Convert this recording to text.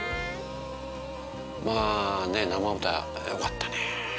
まあね生歌よかったね。